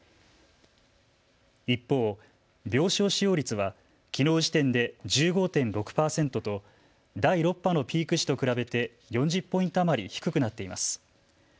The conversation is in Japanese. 一方、病床使用率はきのう時点で１５．６％と第６波のピーク時と比べて４０ポイント余り低くなっています。